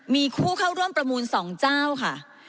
มีคู่เข้าร่วมประมูล๒เจ้าค่ะ